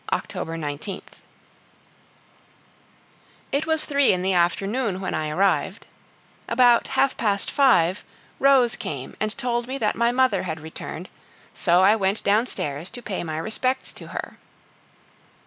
October 19th. It was three in the afternoon when I arrived. About half past five, Rose came and told me that my mother had returned, so I went downstairs to pay my respects to her.